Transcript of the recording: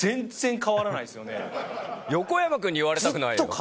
横山君に言われたくないよ。